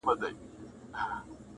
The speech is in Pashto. احساس هم کوي,